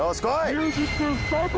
ミュージックスタート！